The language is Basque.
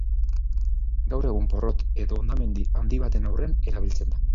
Gaur egun porrot edo hondamendi handi baten aurrean erabiltzen da.